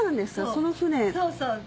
その船。